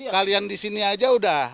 kalian disini aja udah